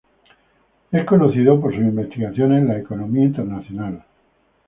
Es conocido por sus investigaciones en la economía internacional.